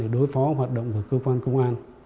đối phó hoạt động của cơ quan công an